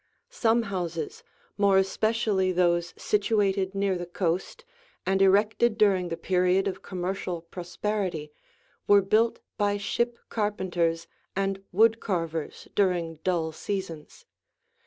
Some houses, more especially those situated near the coast and erected during the period of commercial prosperity, were built by ship carpenters and wood carvers during dull seasons.